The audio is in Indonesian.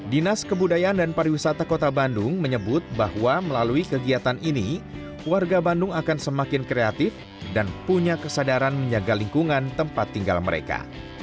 dinas kebudayaan dan pariwisata kota bandung menyebut bahwa melalui kegiatan ini warga bandung akan semakin kreatif dan punya kesadaran menjaga lingkungan tempat tinggal mereka